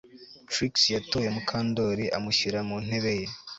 Trix yatoye Mukandoli amushyira mu ntebe ye